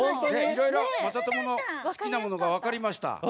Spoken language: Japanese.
いろいろまさとものすきなものがわかりました。